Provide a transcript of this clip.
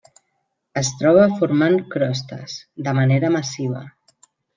Es troba formant crostes, de manera massiva.